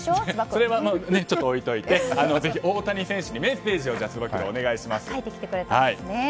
その話は置いておいてぜひ大谷選手にメッセージをつば九郎お願いします。